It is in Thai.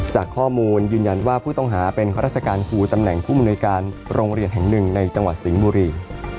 จากข้อมูลยืนยันว่าผู้ต้องหาเป็นข้าราชการครูตำแหน่งผู้มนุยการโรงเรียนแห่งหนึ่งในจังหวัดสิงห์บุรี